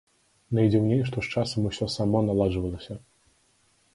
Найдзіўней, што з часам усё само наладжвалася.